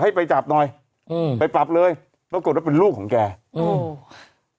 ให้ไปจับหน่อยอืมไปปรับเลยปรากฏว่าเป็นลูกของแกอืม